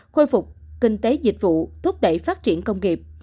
khôi phục kinh tế dịch vụ thúc đẩy phát triển công nghiệp